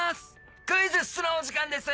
「クイズッス」のお時間です